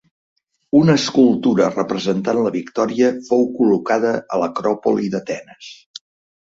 Una escultura representant la victòria fou col·locada a l’Acròpoli d’Atenes.